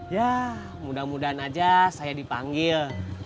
ya mudah mudahan aja saya dipanggil